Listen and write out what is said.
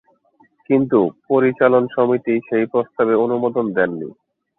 কিন্তু পরিচালন সমিতি সেই প্রস্তাবে অনুমোদন দেননি।